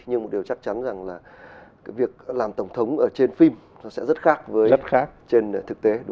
nhưng một điều chắc chắn rằng là cái việc làm tổng thống ở trên phim nó sẽ rất khác với trên thực tế